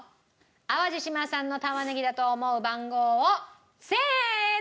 淡路島産の玉ねぎだと思う番号をせーの。